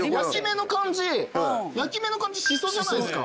焼き目の感じしそじゃないっすか？